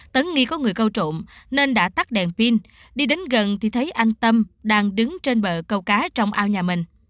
tấn nghi có người câu trộm nên đã tắt đèn pin đi đến gần thì thấy anh tâm đang đứng trên bờ câu cá trong ao nhà mình